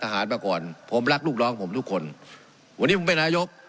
มาก่อนผมรักลูกน้องผมทุกคนวันนี้ผมเป็นนายก